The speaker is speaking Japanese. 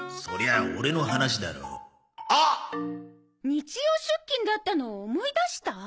日曜出勤だったのを思い出した？